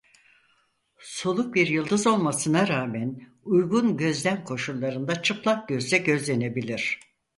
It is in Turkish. Soluk bir yıldız olmasına rağmen uygun gözlem koşullarında çıplak gözle gözlenebilir.